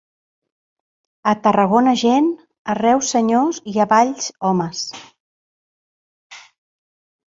A Tarragona gent, a Reus senyors i a Valls homes.